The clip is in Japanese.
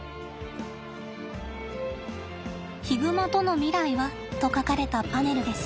「ヒグマとの未来は？」と書かれたパネルです。